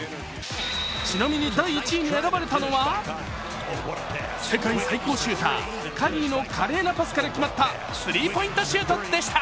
ちなみに第１位に選ばれたのは世界最高シューターカリーの華麗なパスから決まったスリーポイントシュートでした